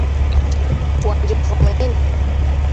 Wanjovu munene.